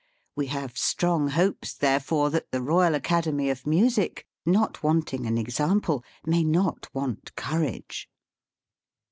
We have strong hopes, therefore, that the Eoyal Academy of Music, not wanting an example, may not want courage.